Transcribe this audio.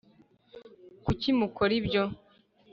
Kuki mukora ibyo